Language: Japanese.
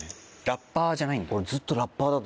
ラッ「パー」じゃないんだ。